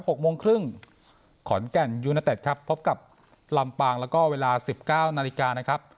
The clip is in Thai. หกโมงครึ่งขอนแก่นยูเนเต็ดครับพบกับลำปางแล้วก็เวลาสิบเก้านาฬิกานะครับ